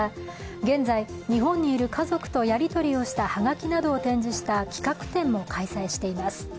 現在、日本にいる家族とやりとりをしたはがきなどを展示した企画展も開催しています。